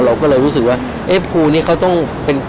เราก็เลยรู้สึกว่าเอ๊ะภูนี้เขาต้องเป็น